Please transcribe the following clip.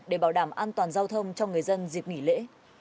để bảo đảm an toàn giao thông cho người dân dịp nghỉ lễ